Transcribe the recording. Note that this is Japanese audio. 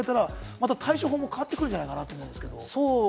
また対処法も変わってくるんじゃないかと思うんですけれども。